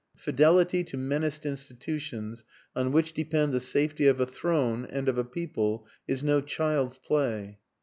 "Fidelity to menaced institutions on which depend the safety of a throne and of a people is no child's play.